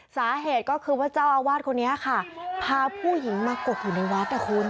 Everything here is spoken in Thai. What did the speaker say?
สาเหตุก็คือว่าเจ้าอาวาสคนนี้ค่ะพาผู้หญิงมากกอยู่ในวัดนะคุณ